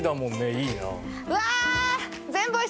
いいなあ。